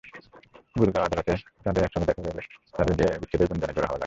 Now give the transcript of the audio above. গুরগাঁও আদালতে তাঁদের একসঙ্গে দেখা গেলে তাঁদের বিচ্ছেদের গুঞ্জনে জোর হাওয়া লাগে।